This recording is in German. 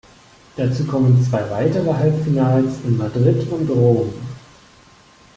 Dazu kommen zwei weitere Halbfinals in Madrid und Rom.